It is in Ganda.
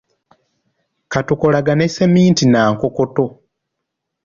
Katukolagane sseminti n'ankokoto.